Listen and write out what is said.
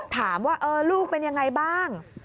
ถามว่าลูกเป็นยังไงบ้าง